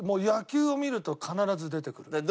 野球を見ると必ず出てくる。